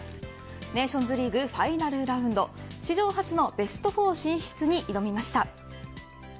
ネーションズリーグファイナルラウンド史上初のベスト４進出に挑みました。